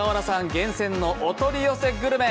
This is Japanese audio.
厳選のお取り寄せグルメ。